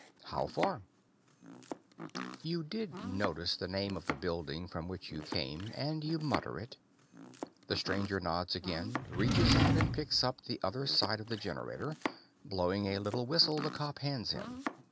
"How far?" You did notice the name of the building from which you came and you mutter it. The stranger nods again, reaches out and picks up the other side of the generator, blowing a little whistle the cop hands him.